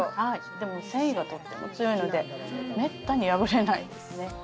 でも繊維がとっても強いのでめったに破れないですね